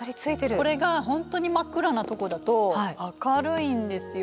これが本当に真っ暗なとこだと明るいんですよ。